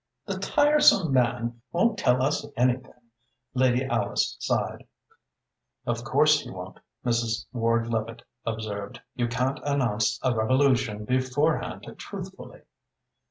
"The tiresome man won't tell us anything," Lady Alice sighed. "Of course, he won't," Mrs. Ward Levitte observed. "You can't announce a revolution beforehand truthfully."